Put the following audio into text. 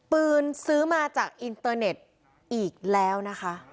ปืนซื้อมาจากอินเตอร์เน็ตอีกแล้วนะคะ